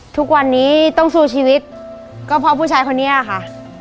ทุกวันนี้ต้องสู้ชีวิตก็เพราะผู้ชายคนนี้ค่ะ